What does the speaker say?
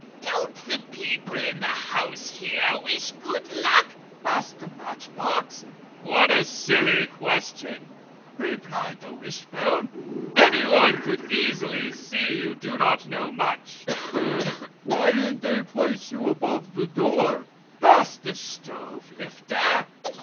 "Don't the people in the house here wish good luck?" asked the match box. "What a silly question!" replied the wishbone, "Anyone could easily see you do not know much!" "Then why didn't they place you above the door?" asked the stove lifter.